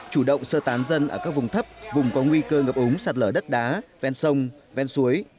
chủ động sơ tán dân ở các vùng thấp vùng có nguy cơ ngập ống sạt lở đất đá ven sông ven suối